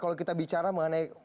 kalau kita bicara mengenai